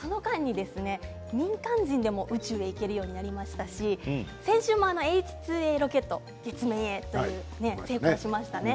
その間に民間人でも宇宙へ行けるようになりましたし先週もＨ２Ａロケット月面へという打ち上げ成功しましたね。